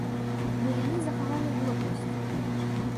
Бо яны захавалі годнасць.